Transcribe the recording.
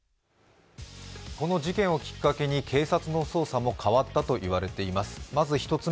この事件をきっかけに警察の捜査も変わったといわれています。